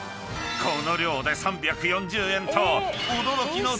［この量で３４０円と］